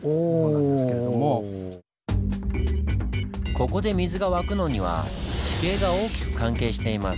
ここで水が湧くのには地形が大きく関係しています。